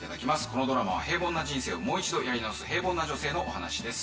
このドラマは平凡な人生をもう一度やり直す平凡な女性のお話です。